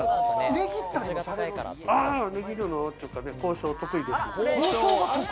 値切るというか交渉が得意です。